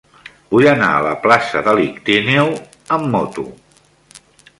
Vull anar a la plaça de l'Ictíneo amb moto.